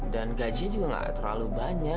dan gajinya juga nggak terlalu banyak